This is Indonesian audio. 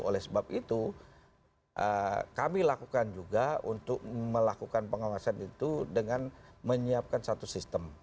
oleh sebab itu kami lakukan juga untuk melakukan pengawasan itu dengan menyiapkan satu sistem